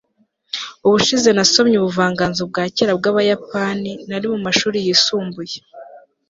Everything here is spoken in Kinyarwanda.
ubushize nasomye ubuvanganzo bwa kera bw'abayapani nari mu mashuri yisumbuye